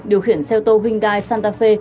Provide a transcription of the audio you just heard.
điều khiển xe ô tô hyundai santa fe